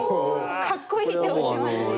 かっこいい手を打ちますね。